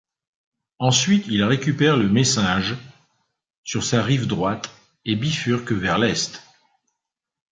Ensuite il récupère le Messinge sur sa rive droite, et bifurque vers l'est.